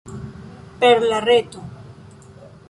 Per la reto.